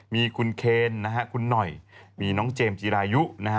มีคุณเคนคุณหน่อยมีน้องเจมส์จีรายุ